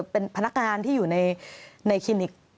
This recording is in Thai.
เป็นพนักงานที่อยู่ในคลินิก